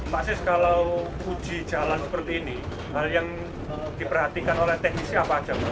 pak sis kalau uji jalan seperti ini hal yang diperhatikan oleh teknisi apa saja